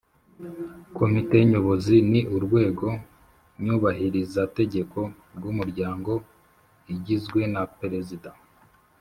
Komite Nyobozi ni urwego nyubahirizategeko rw Umuryango igizwe na Perezida